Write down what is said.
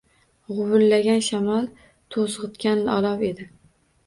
Guvillagan shamol to‘zg‘itgan olov edi.